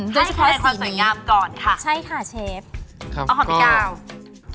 โดยเนื้อด้วยความสวยงามก่อนใช่ค่ะเชฟ